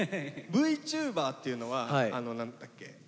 ＶＴｕｂｅｒっていうのはあの何だっけ？